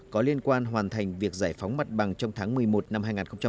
có liên quan hoàn thành việc giải phóng mặt bằng trong tháng một mươi một năm hai nghìn hai mươi